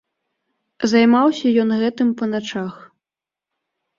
Займаўся ён гэтым па начах.